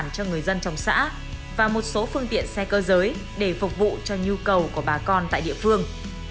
cho người dân trong xã và một số phương tiện xe cơ giới để phục vụ cho nhu cầu của bà con tại địa phương